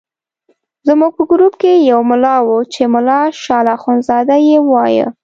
زموږ په ګروپ کې یو ملا وو چې ملا شال اخندزاده یې وایه.